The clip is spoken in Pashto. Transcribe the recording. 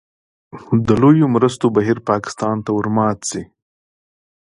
د لویو مرستو بهیر پاکستان ته ورمات شي.